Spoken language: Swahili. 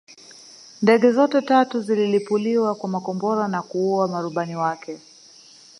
Ndege zote tatu zililipuliwa kwa makombora na kuua marubani wake